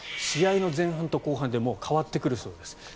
試合の前半と後半で変わってくるそうです。